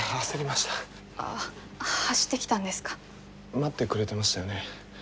待ってくれてましたよね。